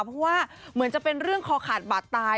เพราะว่าเหมือนจะเป็นเรื่องคอขาดบาดตาย